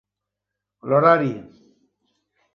L'horari.